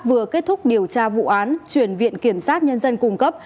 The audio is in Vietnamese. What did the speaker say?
vừa kết thúc điều tra vụ án chuyển viện kiểm sát nhân dân cung cấp